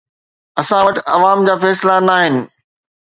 اسان وٽ عوام جا فيصلا ناهن.